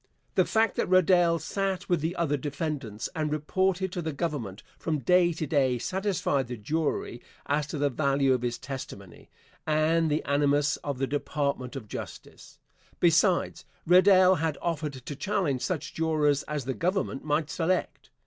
The fact that Rerdell sat with the other defendants and reported to the Government from day to day satisfied the jury as to the value of his testimony, and the animus of the Department of Justice. Besides, Rerdell had offered to challenge such jurors as the Government might select.